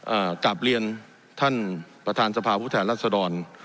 เอ่อกลับเรียนท่านประธานสภาผู้แทนรัศดร